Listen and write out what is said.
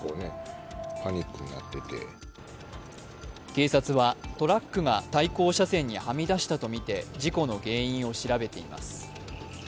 警察はトラックが対向車線にはみ出したとみて、事故の原因を調べています。